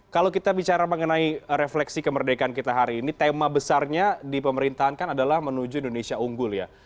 kalau kita bicara mengenai refleksi kemerdekaan kita hari ini tema besarnya di pemerintahan kan adalah menuju indonesia unggul ya